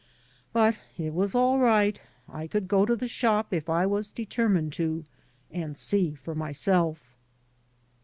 But it was all right. I could go to the shop if I was determined to, and see for myself.